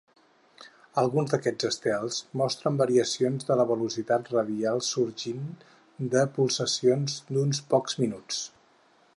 Alguns d'aquests estels mostren variacions de la velocitat radial sorgint de pulsacions d'uns pocs minuts.